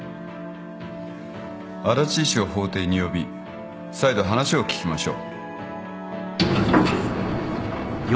足達医師を法廷に呼び再度話を聞きましょう。